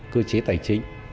cơ chế tài chính